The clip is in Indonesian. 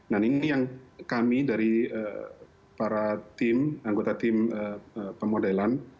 nah ini yang kami dari para tim anggota tim pemodelan